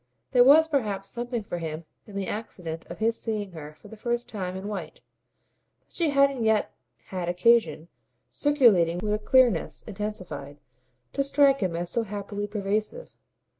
There was perhaps something for him in the accident of his seeing her for the first time in white, but she hadn't yet had occasion circulating with a clearness intensified to strike him as so happily pervasive.